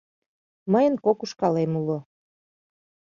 Мыйын кок ушкалем уло.